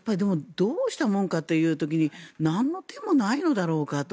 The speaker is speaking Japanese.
どうしたもんかという時になんの手もないのだろうかと。